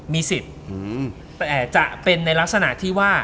มีสิทธิ์แต่จะเป็นในลักษณะที่ว่า